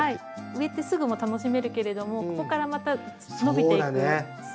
植えてすぐも楽しめるけれどもここからまた伸びていく姿も。